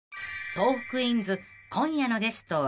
［『トークィーンズ』今夜のゲストは］